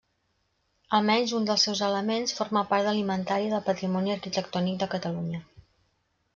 Almenys un dels seus elements forma part de l'Inventari del Patrimoni Arquitectònic de Catalunya.